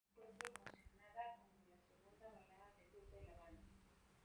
Fue promocionada como la segunda balada debut de la banda.